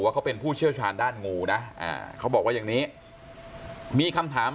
เขาเป็นผู้เชี่ยวชาญด้านงูนะเขาบอกว่าอย่างนี้มีคำถาม